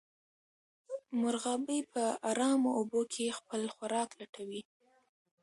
مرغابۍ په ارامو اوبو کې خپل خوراک لټوي